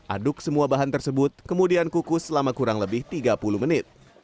aduk semua bahan tersebut kemudian kukus selama kurang lebih tiga puluh menit